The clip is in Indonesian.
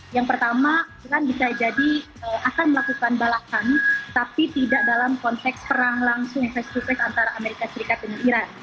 yang pertama iran bisa jadi akan melakukan balasan tapi tidak dalam konteks perang langsung face to face antara amerika serikat dengan iran